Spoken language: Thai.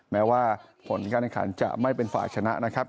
แม้ว่าผลการแข่งขันจะไม่เป็นฝ่ายชนะนะครับ